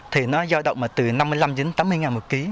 thì nó do động từ năm mươi năm đến tám mươi ngàn một kg